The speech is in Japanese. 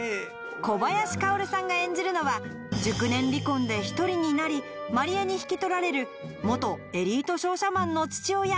小林薫さんが演じるのは熟年離婚で独りになり万里江に引き取られる元エリート商社マンの父親